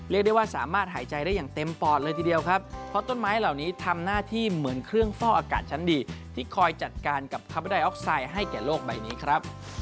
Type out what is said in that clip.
เรียกได้ว่าสามารถหายใจได้อย่างเต็มปอดเลยทีเดียวครับเพราะต้นไม้เหล่านี้ทำหน้าที่เหมือนเครื่องเฝ้าอากาศชั้นดีที่คอยจัดการกับคาร์บอไดออกไซด์ให้แก่โลกใบนี้ครับ